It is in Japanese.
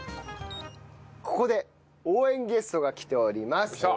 ここで応援ゲストが来ております。